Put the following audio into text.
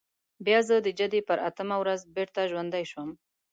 بیا زه د جدي پر اتمه ورځ بېرته ژوندی شوم.